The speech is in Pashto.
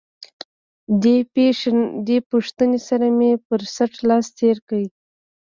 دې پوښتنې سره مې پر څټ لاس تېر کړ.